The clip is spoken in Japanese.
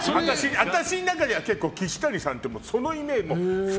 あたしの中では岸谷さんってそのイメージ。